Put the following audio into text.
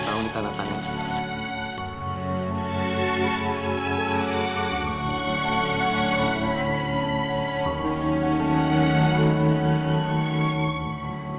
tahu di tandatangani